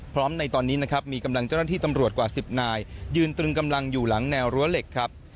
ในตอนนี้นะครับมีกำลังเจ้าหน้าที่ตำรวจกว่า๑๐นายยืนตรึงกำลังอยู่หลังแนวรั้วเหล็กครับ